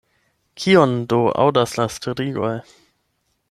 Kion do aŭdas la strigoj?